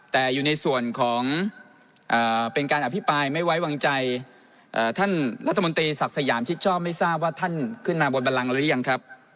แต่อยู่ในส่วนของเป็นการอภิปรายไม่ไว้วางใจท่านรัฐมนตรีศักดิ์สยามชิดชอบไม่ทราบว่าท่านขึ้นมาบนบันลังหรือยังครับ